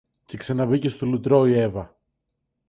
Και ξαναμπήκε στο λουτρό η Εύα.